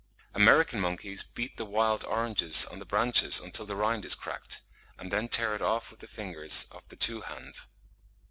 American monkeys beat the wild oranges on the branches until the rind is cracked, and then tear it off with the fingers of the two hands.